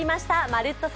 「まるっと！